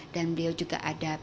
dan beliau juga ada